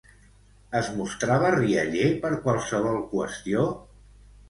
Es mostrava rialler per qualsevol qüestió?